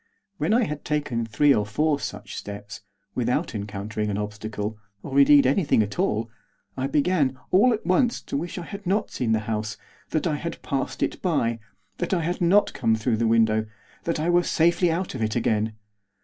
When I had taken three or four such steps, without encountering an obstacle, or, indeed, anything at all, I began, all at once, to wish I had not seen the house; that I had passed it by; that I had not come through the window; that I were safely out of it again.